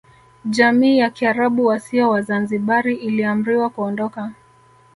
Jamii ya Kiarabu wasio Wazanzibari iliamriwa kuondoka